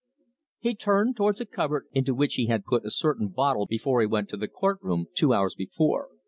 He turned towards a cupboard into which he had put a certain bottle before he went to the court room two hours before.